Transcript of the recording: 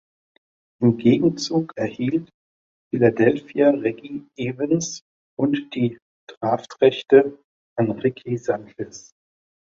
Im Gegenzug erhielt Philadelphia Reggie Evans und die Draftrechte an Ricky Sanchez.